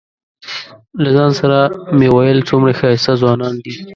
له ځان سره مې ویل څومره ښایسته ځوانان دي.